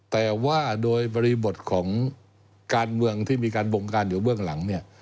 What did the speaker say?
แต่ว่าโดยบริบทของการเมืองที่มีการบงการอยู่เบื้องหลังเนี่ย